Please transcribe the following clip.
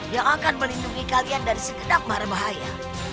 yang akan melindungi kalian dari segedap marah bahaya